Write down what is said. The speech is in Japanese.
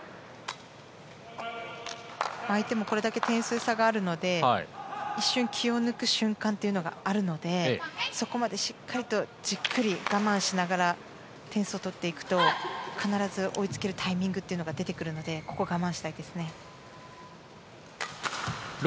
相手もこれだけ点数差があるので一瞬、気を抜く瞬間というのがあるのでそこまでしっかりとじっくり我慢しながら点数を取っていくと、必ず追いつけるタイミングというのが出てくるのでここは我慢したいですね。